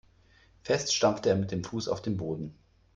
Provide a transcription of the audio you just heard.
Fest stampfte er mit dem Fuß auf den Boden.